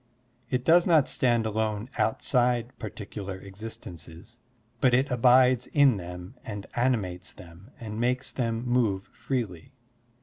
It does not stand alone outside particular existences, but it abides in them and animates them and makes them move freely.